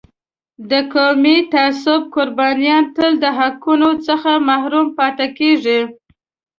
د قومي تعصب قربانیان تل د حقونو څخه محروم پاتې کېږي.